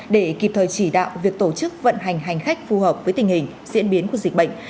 để kịp thời chỉ đạo việc tổ chức vận hành hành khách phù hợp với tình hình diễn biến của dịch bệnh